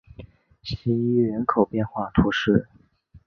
希伊人口变化图示